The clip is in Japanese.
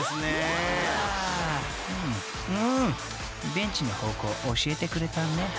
［ベンチの方向教えてくれたね］